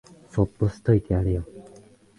そっとしといてやれよ